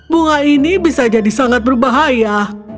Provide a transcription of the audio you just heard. bunga ini bisa jadi sangat berbahaya